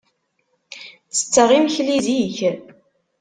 Ttetteɣ imekli zik.